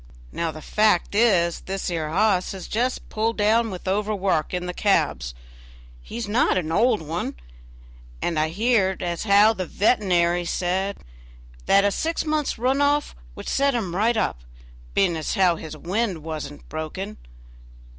Now the fact is, this 'ere hoss is just pulled down with overwork in the cabs; he's not an old one, and I heerd as how the vetenary should say, that a six months' run off would set him right up, being as how his wind was not broken.